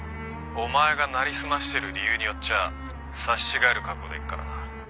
「お前がなりすましてる理由によっちゃ刺し違える覚悟でいくからな」